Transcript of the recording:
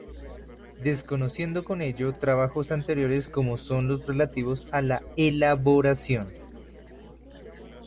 Desconociendo con ello trabajos anteriores como son los relativos a la "elaboración".